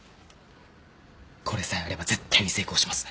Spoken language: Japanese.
これさえあれば絶対に成功します。